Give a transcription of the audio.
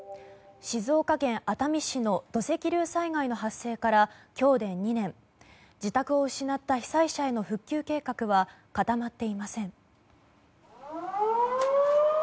静岡県熱海市の土石流災害の発生から今日で２年、自宅を失った被災者への復旧計画は固まっていません。